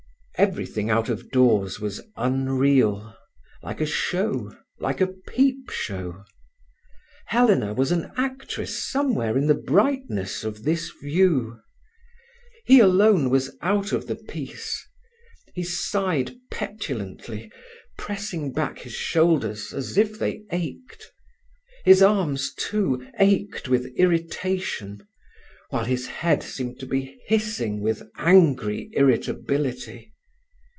Everything out of doors was unreal, like a show, like a peepshow. Helena was an actress somewhere in the brightness of this view. He alone was out of the piece. He sighed petulantly, pressing back his shoulders as if they ached. His arms, too, ached with irritation, while his head seemed to be hissing with angry irritability.